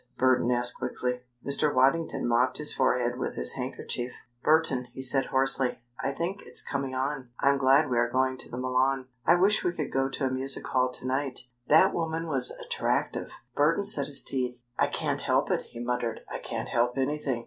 Burton asked quickly. Mr. Waddington mopped his forehead with his handkerchief. "Burton," he said hoarsely, "I think it's coming on! I'm glad we are going to the Milan. I wish we could go to a music hall to night. That woman was attractive!" Burton set his teeth. "I can't help it," he muttered. "I can't help anything.